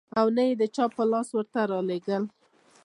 او نه يې د چا په لاس ورته راولېږل .